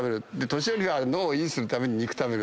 年寄りは脳を維持するために肉食べる。